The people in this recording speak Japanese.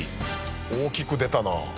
大きく出たなあ。